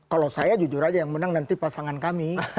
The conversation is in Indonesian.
kalau saya jujur aja yang menang nanti pasangan kami